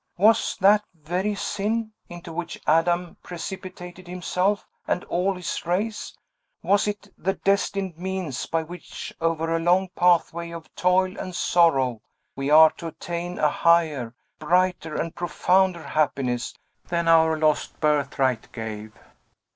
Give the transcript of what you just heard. Was that very sin, into which Adam precipitated himself and all his race, was it the destined means by which, over a long pathway of toil and sorrow, we are to attain a higher, brighter, and profounder happiness, than our lost birthright gave?